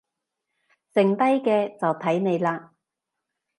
剩低嘅就睇你喇